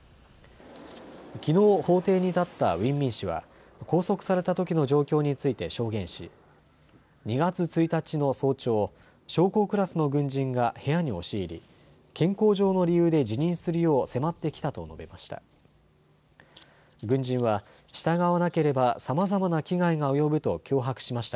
きのう法廷に立ったウィン・ミン氏は、拘束されたときの状況について証言し２月１日の早朝、将校クラスの軍人が部屋に押し入り健康上の理由で辞任するよう迫ってきたと述べました。